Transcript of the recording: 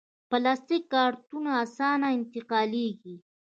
پلاستيکي کارتنونه اسانه انتقالېږي.